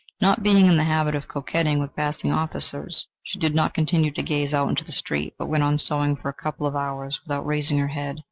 Not being in the habit of coquetting with passing officers, she did not continue to gaze out into the street, but went on sewing for a couple of hours, without raising her head.